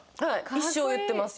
一生言ってます。